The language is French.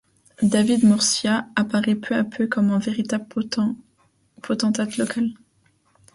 David Murcia apparaît peu à peu comme un véritable potentat local.